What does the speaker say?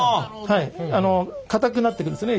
硬くなってくるんですね